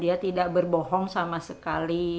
dia tidak berbohong sama sekali